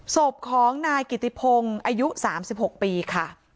ศพของนายกิติพงศ์อายุ๓๖ปีค่ะ